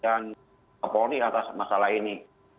dan mempunyai atas masalah ini